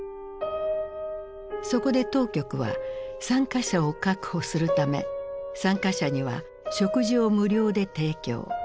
そこで当局は参加者を確保するため参加者には食事を無料で提供。